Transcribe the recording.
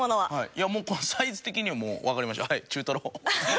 いやもうこのサイズ的にもうわかりました。